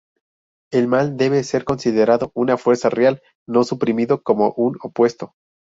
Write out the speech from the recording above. El mal debe ser considerado una fuerza real, no suprimido como un opuesto.